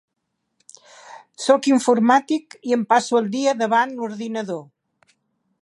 Soc informàtic i em passo el dia davant l'ordinador.